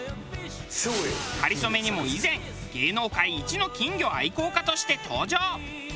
『かりそめ』にも以前芸能界一の金魚愛好家として登場。